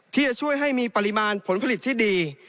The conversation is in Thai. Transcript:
ที่จะช่วยให้มีปริมาณผลผลิตที่ดี